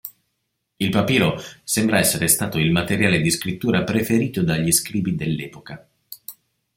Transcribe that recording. Il papiro sembra essere stato il materiale di scrittura preferito dagli scribi dell'epoca.